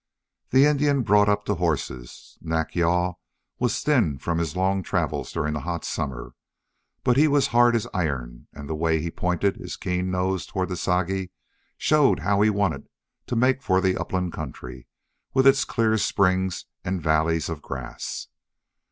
The Indian brought up the horses. Nack yal was thin from his long travel during the hot summer, but he was as hard as iron, and the way he pointed his keen nose toward the Sagi showed how he wanted to make for the upland country, with its clear springs and valleys of grass.